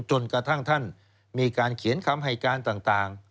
จนกระทั่งท่านมีการเขียนคำให้การต่าง